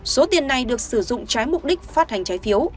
số tiền này được sử dụng trái mục đích phát hành trái phiếu